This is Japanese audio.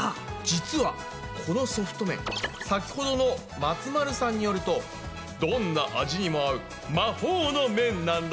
実はこのソフト麺先ほどの松丸さんによるとどんな味にも合う魔法の麺なんだそうです。